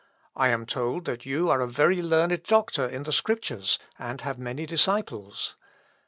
I am told that you are a very learned doctor in the Scriptures, and have many disciples.